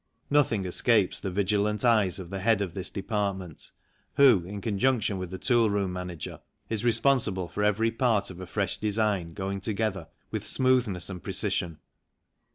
Nothing escapes the vigilant eyes of the head of this department who, in conjunction with the tool room manager, is responsible for every part of a fresh design going together with smoothness and precision.